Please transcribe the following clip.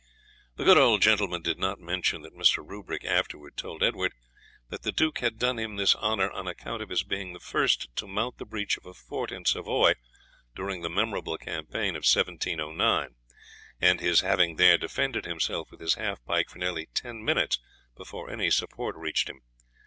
The good old gentleman did not mention what Mr. Rubrick afterwards told Edward, that the Duke had done him this honour on account of his being the first to mount the breach of a fort in Savoy during the memorable campaign of 1709, and his having there defended himself with his half pike for nearly ten minutes before any support reached him.